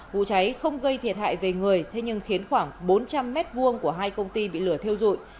vụ cháy không gây thiệt hại về người thế nhưng khiến khoảng bốn trăm linh m hai của hai công ty bị lửa theo dụi